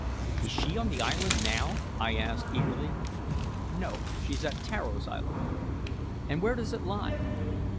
"Is she on the island now?" I asked eagerly. "No; she's at Tararo's island." "And where does it lie?"